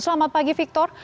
selamat pagi victor